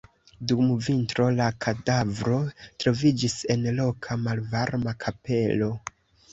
Dum vintro la kadavro troviĝis en loka malvarma kapelo.